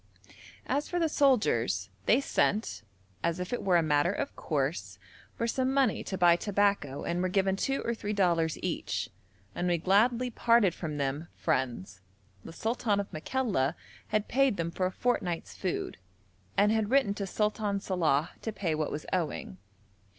As for the soldiers, they sent, as if it were a matter of course, for some money to buy tobacco and were given two or three dollars each, and we gladly parted from them friends. The sultan of Makalla had paid them for a fortnight's food, and had written to Sultan Salàh to pay what was owing.